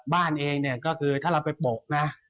บ้านเองก็คือถ้าเราไปโปะนะ